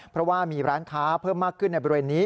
เพราะว่ามีร้านค้าเพิ่มมากขึ้นในบริเวณนี้